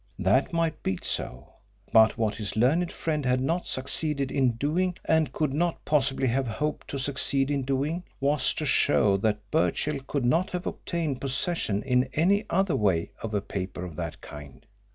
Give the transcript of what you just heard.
That might be so, but what his learned friend had not succeeded in doing, and could not possibly have hoped to succeed in doing, was to show that Birchill could not have obtained possession in any other way of paper of that kind.